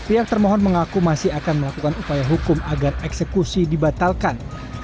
pihak termohon mengaku masih akan melakukan upaya hukum agar eksekusi dibatalkan